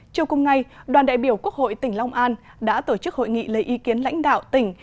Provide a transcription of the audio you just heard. chiều cùng ngày đoàn đại biểu quốc hội tỉnh long an đã tổ chức hội nghị lấy ý kiến lãnh đạo tỉnh